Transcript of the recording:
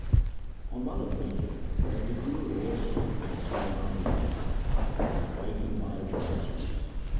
On one occasion, as the Guru lay asleep in the small hours of the night, he was awakened by a woman's screams.